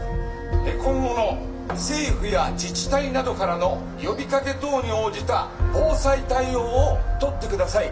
今後の政府や自治体などからの呼びかけ等に応じた防災対応を取ってください」。